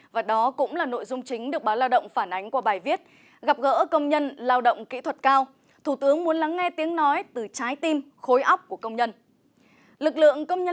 và đó cũng là nội dung chính được báo lao động phản ánh qua bài viết gặp gỡ công nhân lao động kỹ thuật cao thủ tướng muốn lắng nghe tiếng nói từ trái tim khối óc của công nhân